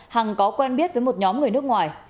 hằng có quen biết với một nhóm người nước ngoài